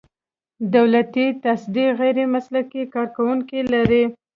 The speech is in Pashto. دولتي تصدۍ غیر مسلکي کارکوونکي لري.